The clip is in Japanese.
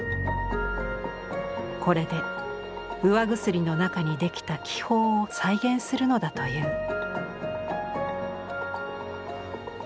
これで釉薬の中にできた気泡を再現するのだという。